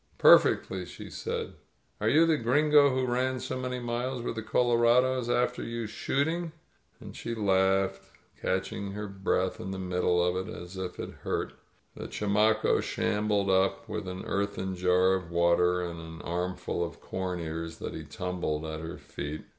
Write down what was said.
"Perfectly," she said. "Are you the Gringo who ran so many miles with the colorados after you shooting?" And she laughed — catching her breath in the middle of it as if it hurt. The chamaco shambled up with an earthen jar of water and an armful of corn ears that he tumbled at her feet.